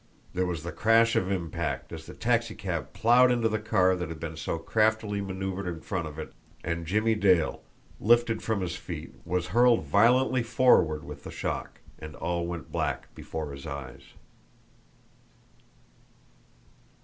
There was the crash of impact as the taxicab plowed into the car that had been so craftily manoeuvered in front of it, and Jimmie Dale, lifted from his feet, was hurled violently forward with the shock, and all went black before his eyes.